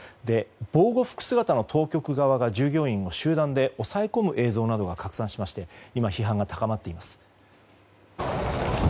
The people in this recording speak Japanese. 防護服姿の当局側が従業員を集団で抑え込む映像などが拡散しまして批判が高まっています。